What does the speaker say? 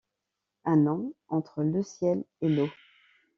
Un an entre le ciel et l’eau!...